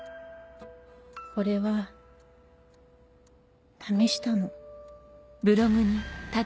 これは試したの。